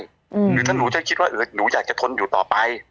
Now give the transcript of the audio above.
หรือถ้าหนูจะคิดว่าเออหนูอยากจะทนอยู่ต่อไป